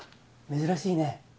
珍しいね。